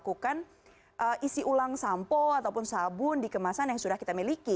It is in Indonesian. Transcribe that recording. lakukan isi ulang sampo ataupun sabun di kemasan yang sudah kita miliki